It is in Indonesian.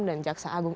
dan jaksa agung